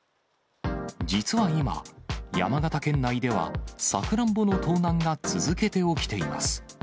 実は今、山形県内では、サクランボの盗難が続けて起きています。